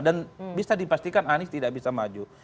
dan bisa dipastikan anies tidak bisa maju